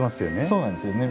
そうなんですよね。